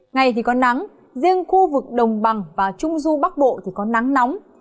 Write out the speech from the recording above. ngày thì có nắng riêng khu vực đồng bằng và trung du bắc bộ thì có nắng nóng